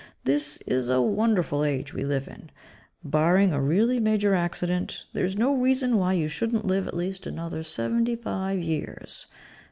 This is a wonderful age we live in. Barring a really major accident, there's no reason why you shouldn't live at least another seventy five years.